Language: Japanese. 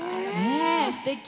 すてき。